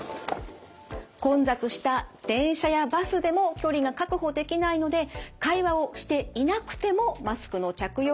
混雑した電車やバスでも距離が確保できないので会話をしていなくてもマスクの着用がすすめられます。